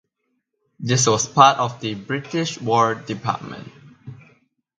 This was part of the British War Department.